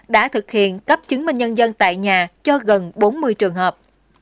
đã thực hiện cấp chứng minh nhân dân tại nhà cho gần bốn mươi trường hợp